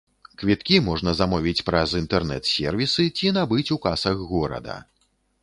Квіткі можна замовіць праз інтэрнэт-сэрвісы ці набыць у касах горада.